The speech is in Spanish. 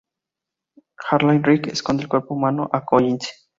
Harlan Ryker esconde el cuerpo humano de Collins.